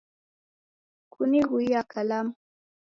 kunighuiya kalamu?